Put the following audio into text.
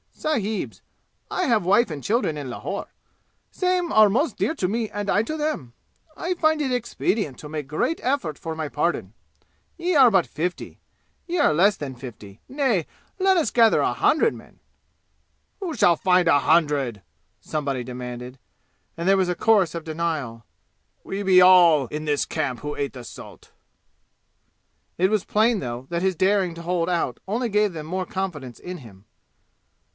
"Sahibs, I have wife and children in Lahore. Same are most dear to me and I to them. I find it expedient to make great effort for my pardon. Ye are but fifty. Ye are less than fifty. Nay, let us gather a hundred men." "Who shall find a hundred?" somebody demanded, and there was a chorus of denial. "We be all in this camp who ate the salt." It was plain, though, that his daring to hold out only gave them the more confidence in him.